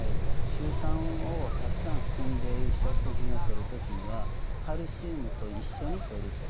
シュウ酸をたくさん含んでいる食品をとる時にはカルシウムと一緒にとると。